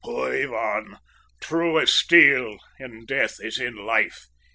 "Poor Ivan, true as steel in death as in life!"